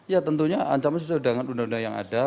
ya tentunya ancaman sesuai dengan undang undang yang ada